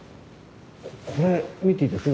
これ見ていいですか？